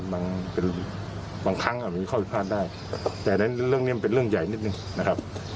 บางครั้งมีข้อผิดพลาดได้แต่ในเรื่องนี้มันเป็นเรื่องใหญ่นิดนึงนะครับ